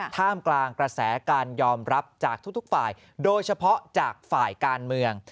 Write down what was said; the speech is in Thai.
ท่ามกลางกระแสการยอมรับจากทุกฝ่ายโดยเฉพาะจากฝ่ายการเมือง